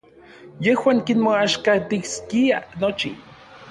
Yejuan kimoaxkatiskiaj nochi.